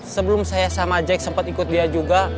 sebelum saya sama jack sempat ikut dia juga